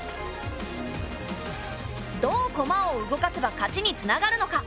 どう駒を動かせば勝ちにつながるのか。